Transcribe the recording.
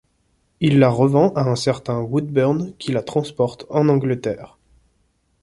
Il la revend à un certain Woodburn qui la transporte en Angleterre.